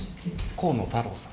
河野太郎さん。